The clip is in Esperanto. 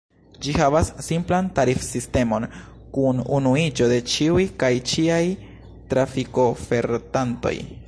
Ĝi havas simplan tarifsistemon kun unuiĝo de ĉiuj kaj ĉiaj trafikofertantoj.